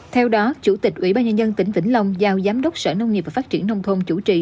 theo đó chủ tịch ubnd tỉnh vĩnh long giao giám đốc sở nông nghiệp và phát triển nông thôn chủ trì